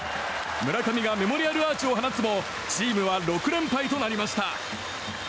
村上がメモリアルアーチを放つもチームは６連敗となりました。